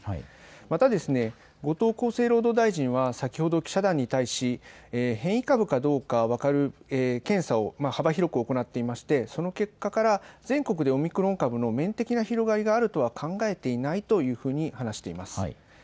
また、後藤厚生労働大臣は先ほど記者団に対し変異株かどうか分かる検査を幅広く行っていましてその結果から全国でオミクロン株の面的な広がりがあるとは考えていないというふうに話しています。